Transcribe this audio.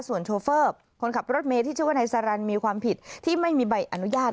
ส่วนโชเฟอร์คนขับรถเมย์ที่ชื่อว่านายสารันมีความผิดที่ไม่มีใบอนุญาต